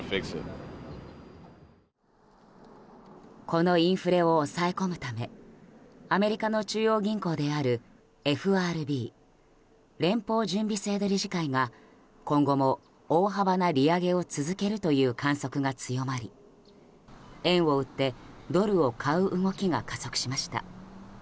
このインフレを抑え込むためアメリカの中央銀行であるＦＲＢ・連邦準備制度理事会が今後も大幅な利上げを続けるという観測が強まり円を売ってドルを買う動きが加速しました。